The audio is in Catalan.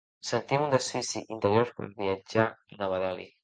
Sentim un desfici interior per viatjar a Nova Delhi.